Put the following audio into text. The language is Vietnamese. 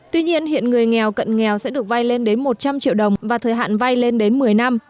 tuy nhiên hiện người nghèo cận nghèo sẽ được vay lên đến một trăm linh triệu đồng và thời hạn vay lên đến một mươi năm